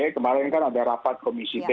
kemarin kan ada rapat komisi tiga